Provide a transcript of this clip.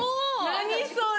・何それ！